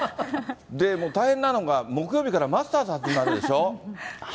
で大変なのが、木曜日からマスターズ始まるでしょ。